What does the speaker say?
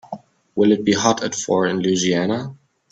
Will it be hot at four in Louisiana?